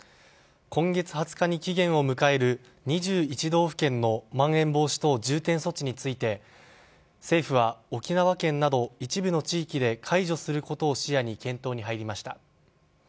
今月２０日に期限を迎える２１道府県のまん延防止等重点措置について政府は沖縄県など一部の地域で解除することを視野に検討に入りました。